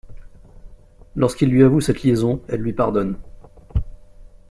Lorsqu'il lui avoue cette liaison, elle lui pardonne.